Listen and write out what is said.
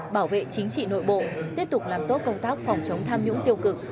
bảo vệ chính trị nội bộ tiếp tục làm tốt công tác phòng chống tham nhũng tiêu cực